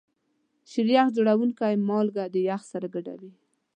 شیریخ جوړونکي مالګه د یخ سره ګډوي.